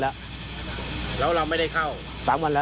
แล้วเราไม่ได้เข้า๓วันแล้ว